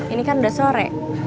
ini kan udah sore